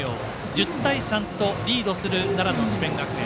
１０対３とリードする奈良の智弁学園。